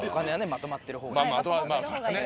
まとまってる方がいいですからね。